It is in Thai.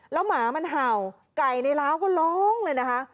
แล้วหมามันเห่าไก่ในร้าวก็ร้องเลยนะคะ